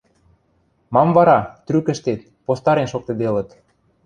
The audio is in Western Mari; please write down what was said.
Мам вара, трӱкӹштет, постарен шоктыделыт.